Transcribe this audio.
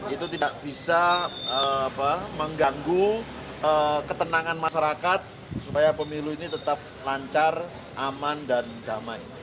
itu tidak bisa mengganggu ketenangan masyarakat supaya pemilu ini tetap lancar aman dan damai